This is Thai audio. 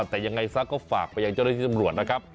แต่ยังไงสักก็ฝากกล้องวงจริงที่สำรวจนะครับ